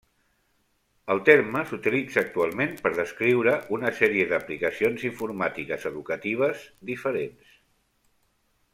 El terme s'utilitza actualment per descriure una sèrie d'aplicacions informàtiques educatives diferents.